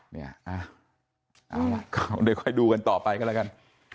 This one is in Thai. เนี่ยเอาล่ะก็เดี๋ยวค่อยดูกันต่อไปกันแล้วกัน